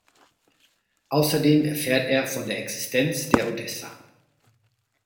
Außerdem erfährt er von der Existenz der Odessa.